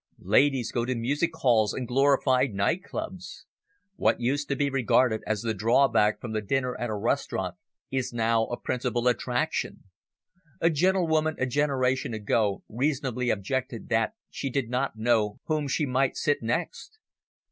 Ladies go to music halls and glorified night clubs. What used to be regarded as the drawback from the dinner at a restaurant is now a principal attraction. A gentlewoman a generation ago reasonably objected that she did not know whom she might sit next.